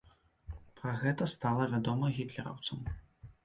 Пра гэта стала вядома гітлераўцам.